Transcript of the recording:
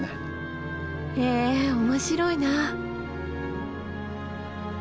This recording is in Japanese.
へえ面白いな。